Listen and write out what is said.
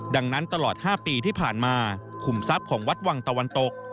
ดังนั้นตลอด๕ปีที่ผ่านมาคุมทรัพย์ของวัดวังตะวันตก